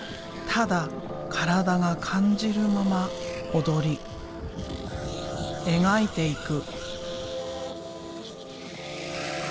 ただ体が感じるまま踊り描いていく。